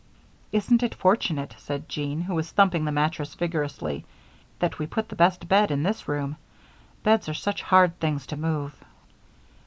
"Isn't it fortunate," said Jean, who was thumping the mattress vigorously, "that we put the best bed in this room? Beds are such hard things to move."